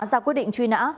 ra quyết định truy nã